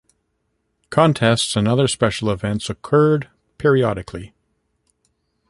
Contests and other special events occurred periodically.